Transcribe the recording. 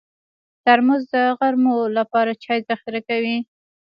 ترموز د غرمو لپاره چای ذخیره کوي.